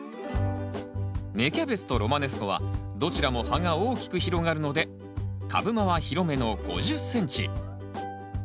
芽キャベツとロマネスコはどちらも葉が大きく広がるので株間は広めの５０ｃｍ。